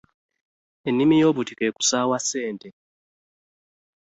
Ennimi y'obutiko ekusawa ssente .